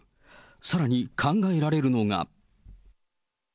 さらに考えられるのが。